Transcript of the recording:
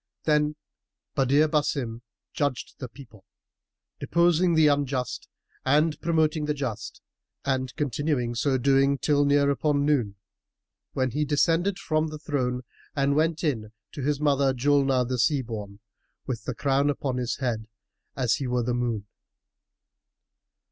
Then Badr Basim judged the people, deposing the unjust and promoting the just and continued so doing till near upon noon, when he descended from the throne and went in to his mother, Julnar the Sea born, with the crown upon his head, as he were the moon.